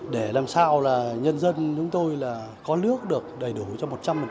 để làm sao là nhân dân chúng tôi là có nước được đầy đủ cho một trăm linh